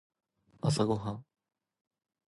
朝ごはん